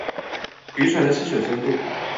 漁船的吃水深度